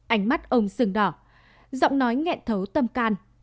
ánh mắt ông sừng đỏ giọng nói nghẹn thấu tâm can